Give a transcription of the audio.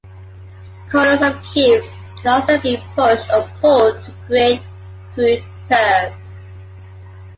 Corners of cubes can also be "pushed" or "pulled" to create crude curves.